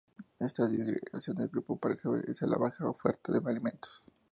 Esta disgregación del grupo parece obedecer a la baja oferta de alimentos.